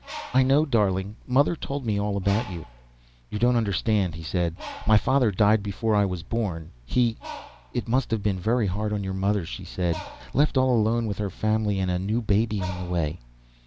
"I know, darling. Mother's told me all about you." "You don't understand," he said. "My father died before I was born. He " "It must've been very hard on your mother," she said. "Left all alone with her family ... and a new baby on the way."